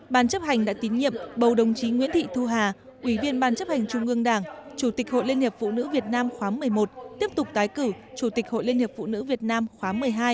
ban chấp hành đã tín nhiệm bầu đồng chí nguyễn thị thu hà ủy viên ban chấp hành trung ương đảng chủ tịch hội liên hiệp phụ nữ việt nam khóa một mươi một tiếp tục tái cử chủ tịch hội liên hiệp phụ nữ việt nam khóa một mươi hai